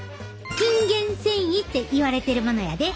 筋原線維って言われてるものやで。